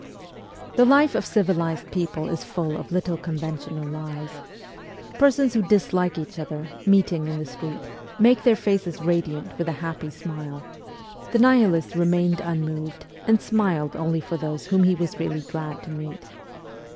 The life of civilized people is full of little conven tional lies. Persons who dislike each other, meeting in the street, make their faces radiant with a happy smile ; the Nihilist remained unmoved, and smiled only for those whom he was really glad to meet.